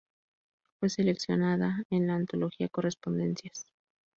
Fue seleccionada en la antología "Correspondencias.